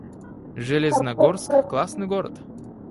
Железногорск — классный город